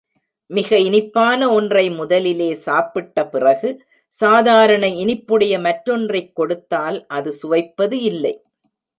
மிக இனிப்பான ஒன்றை முதலிலே சாப்பிட்ட பிறகு, சாதாரண இனிப்புடைய மற்றொன்றைக் கொடுத்தால் அது சுவைப்பது இல்லை.